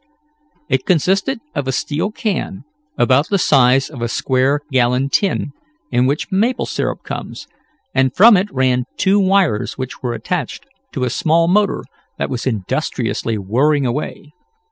It consisted of a steel can, about the size of the square gallon tin in which maple syrup comes, and from it ran two wires which were attached to a small motor that was industriously whirring away.